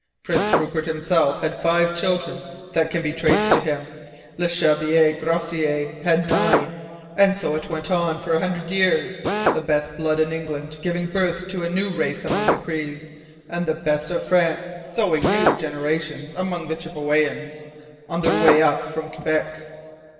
Prince Rupert himself had five children that can be traced to him. Le Chevalier Grosselier had nine. And so it went on for a hundred years, the best blood in England giving birth to a new race among the Crees, and the best of France sowing new generations among the Chippewyans on their way up from Quebec.